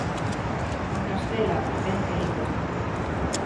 Con Castela, ben querida.